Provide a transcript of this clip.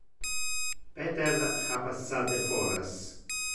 Peter ha passate foras.